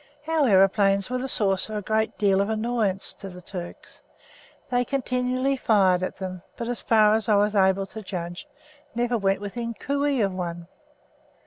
Our aeroplanes were the source of a good deal of annoyance to the Turks. They continually fired at them, but, as far as I was able to judge, never went within cooee of one.